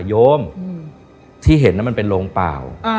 โยมที่เห็นนั้นมันเป็นโรงเปล่า